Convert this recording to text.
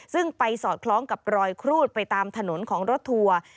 ซึ่งไปสอดคล้องกับรอยครูดไปตามถนนของรถทัวร์